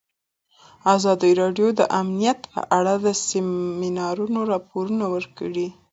ازادي راډیو د امنیت په اړه د سیمینارونو راپورونه ورکړي.